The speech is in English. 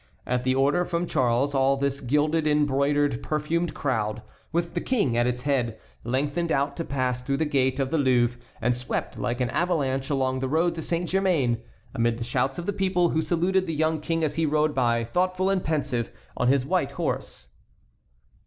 At the order from Charles all this gilded, embroidered, perfumed crowd, with the King at its head, lengthened out to pass through the gate of the Louvre, and swept like an avalanche along the road to Saint Germain, amid the shouts of the people, who saluted the young King as he rode by, thoughtful and pensive, on his white horse.